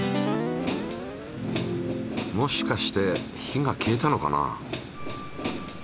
もしかして火が消えたのかな？